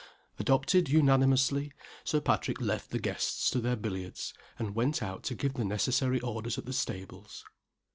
Adopted unanimously. Sir Patrick left the guests to their billiards, and went out to give the necessary orders at the stables.